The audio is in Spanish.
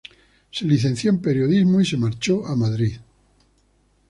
Se licenció en Periodismo y se marchó a Madrid.